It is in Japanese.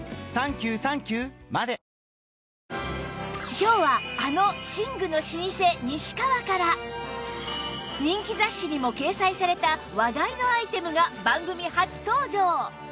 今日はあの寝具の老舗西川から人気雑誌にも掲載された話題のアイテムが番組初登場！